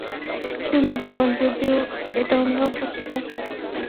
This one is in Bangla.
সুন্দর জীবন, যদি ও এটা অনুভব করতে পারে।